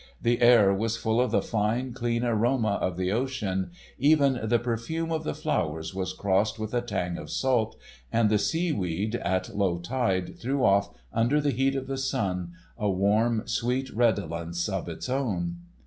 The air was full of the fine, clean aroma of the ocean, even the perfume of the flowers was crossed with a tang of salt, and the seaweed at low tide threw off, under the heat of the sun, a warm, sweet redolence of its own.